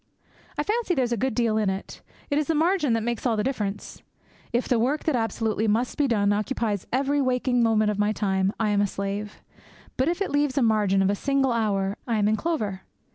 I fancy there's a good deal in it. It is the margin that makes all the difference. If the work that absolutely must be done occupies every waking moment of my time, I am a slave; but if it leaves a margin of a single hour, I am in clover.